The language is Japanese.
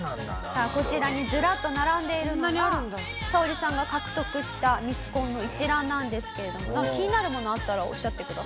さあこちらにずらっと並んでいるのがサオリさんが獲得したミスコンの一覧なんですけれどもなんか気になるものあったらおっしゃってください。